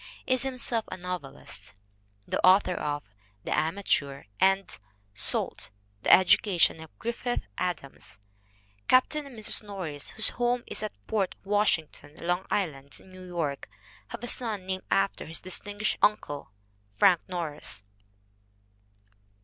is himself a novelist, the author of The Amateur and Salt: The Education of Griffith Adams. Captain and Mrs. Nor ris, whose home is at Port Washington, Long Island, New York, have a son named after his distinguished uncle, Frank Norris.